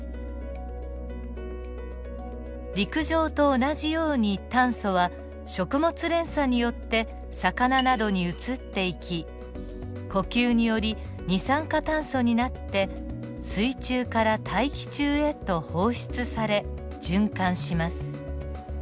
陸上と同じように炭素は食物連鎖によって魚などに移っていき呼吸により二酸化炭素になって水中から大気中へと放出され循環します。